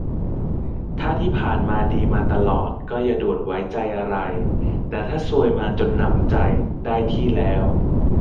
ถ้าที่ผ่านมาดีมาตลอดก็อย่าด่วนไว้ใจอะไร แต่ถ้าซวยมาจนหนำใจได้ที่แล้ว